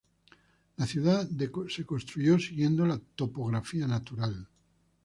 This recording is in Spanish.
La ciudad de construyó siguiendo la topografía natural.